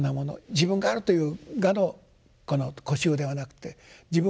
自分があるという我の固執ではなくて自分を解放する。